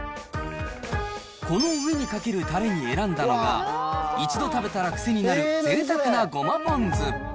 この上にかけるたれに選んだのが、一度食べたらくせになる贅沢なごまポン酢。